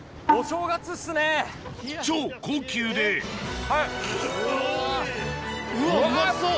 超高級で・うわ・・うまそう！